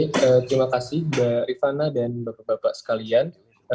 terima kasih mbak rifana dan bapak bapak sekalian